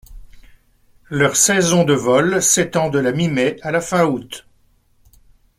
Leur saison de vol s'étend de la mi-mai à la fin août.